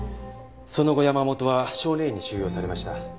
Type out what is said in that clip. その後山本は少年院に収容されました。